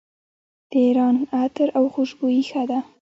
د ایران عطر او خوشبویي ښه ده.